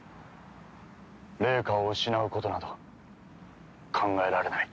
玲花を失うことなど考えられない。